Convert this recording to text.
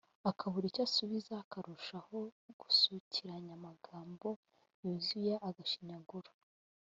akabura icyo asubiza akarushaho gusukiranya amagambo yuzuye agashinyaguro